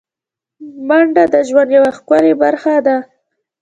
منډه د ژوند یوه ښکلی برخه ده